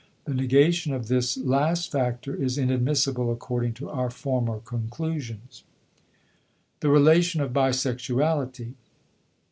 The negation of this last factor is inadmissible according to our former conclusions. *The Relation of Bisexuality.